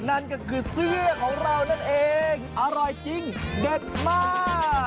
นั่นก็คือเสื้อของเรานั่นเองอร่อยจริงเด็ดมาก